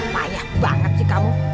payah banget sih kamu